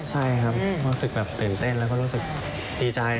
ใช่ครับรู้สึกแบบตื่นเต้นแล้วก็รู้สึกดีใจ